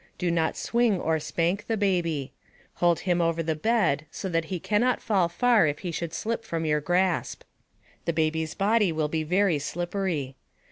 Do not swing or spank the baby. Hold him over the bed so that he cannot fall far if he should slip from your grasp. The baby's body will be very slippery.